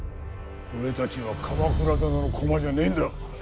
俺たちは鎌倉殿の駒じゃねえんだ！